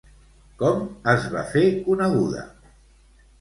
Com es va fer coneguda?